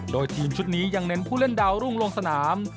โดยทีมชุดนี้ยังเน้นผู้เล่นดาวรุ่งลงสนาม